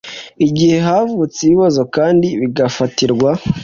igihe havutse ibibazo kandi bigafatirwa